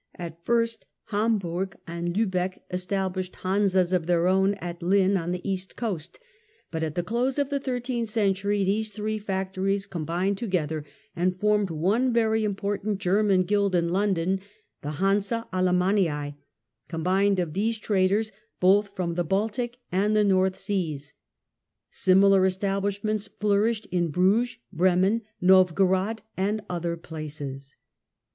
At first Ham burg and Liibeck established hansas of their own at Lynn on the East Coast, but at the close of the thirteenth cen tury these three factories combined together and formed one very important German Guild in London, the Hansa Alamannia, combined of these traders both from the Baltic and the North Seas. Similar establishments flourished in Bruges, Bremen, Novgorod and other places.